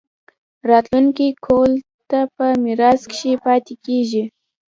راتلونکي کهول ته پۀ ميراث کښې پاتې کيږي